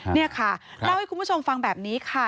นี่ค่ะเล่าให้คุณผู้ชมฟังแบบนี้ค่ะ